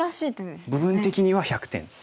部分的には１００点。